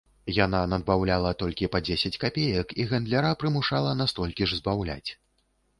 Яна надбаўляла толькі па дзесяць капеек і гандляра прымушала на столькі ж збаўляць.